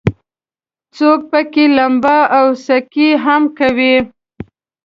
څوک پکې لمبا او سکي هم کوي.